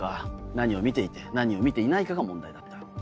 何を見ていて何を見ていないかが問題だった。